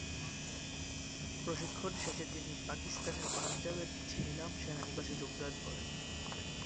প্রশিক্ষণ শেষে তিনি পাকিস্তানের পাঞ্জাবের ঝিলাম সেনানিবাসে যোগদান করেন।